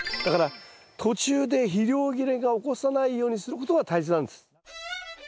だから途中で肥料切れが起こさないようにすることが大切なんです。